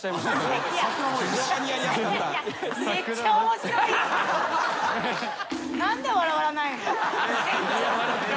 めっちゃ面白くない？